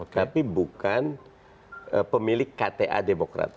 tapi bukan pemilik kta demokrat